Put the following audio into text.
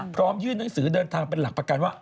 ยื่นหนังสือเดินทางเป็นหลักประกันว่า